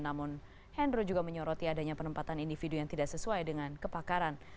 namun hendro juga menyoroti adanya penempatan individu yang tidak sesuai dengan kepakaran